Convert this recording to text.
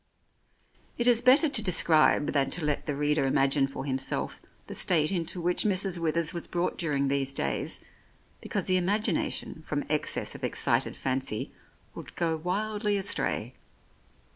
It is better to describe than to let the reader imagine for himself the state into which Mrs. Withers was brought during these days, because the imagina tion from excess of excited fancy would go wildly astray.